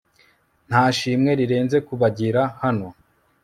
ntashimwe rirenze kubagira hano